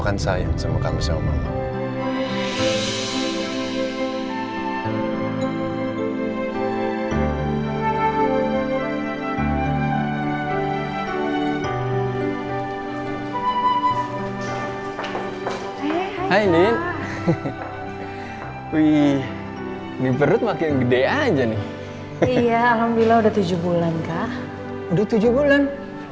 hai hai ini wih ini perut makin gede aja nih iya alhamdulillah udah tujuh bulan kah udah tujuh bulan